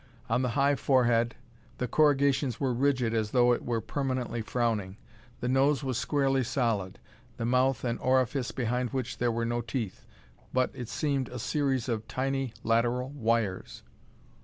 On the high forehead, the corrugations were rigid as though it were permanently frowning. The nose was squarely solid, the mouth an orifice behind which there were no teeth but, it seemed, a series of tiny lateral wires.